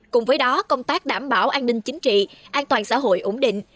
cùng với đó công tác đảm bảo an ninh chính trị an toàn xã hội ổn định